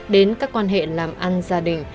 đến các quan hệ làm ăn gia đình